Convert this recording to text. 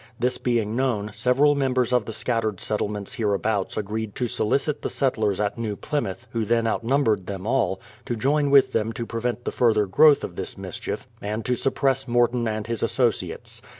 This being known, several members of the scattered settlements here abouts agreed to solicit the settlers at New Plymouth, who then outnumbered them all, to join with them to prevent the further growth of this mischief, and to sup press Morton and his associates.